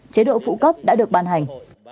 chế độ phụ cấp đã được bàn hành